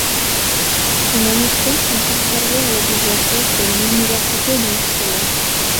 Ses manuscrits sont conservés à la bibliothèque de l'université d'Uppsala.